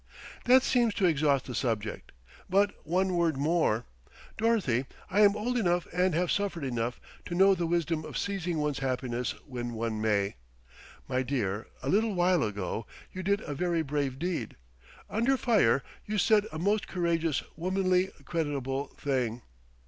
"That seems to exhaust the subject. But one word more.... Dorothy, I am old enough and have suffered enough to know the wisdom of seizing one's happiness when one may. My dear, a little while ago, you did a very brave deed. Under fire you said a most courageous, womanly, creditable thing.